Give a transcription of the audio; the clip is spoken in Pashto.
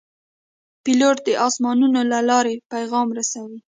پیلوټ د آسمانونو له لارې پیغام رسوي.